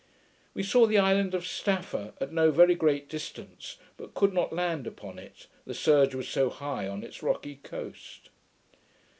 We saw the island of Staffa, at no very great distance, but could not land upon it, the surge was so high on its rocky coast.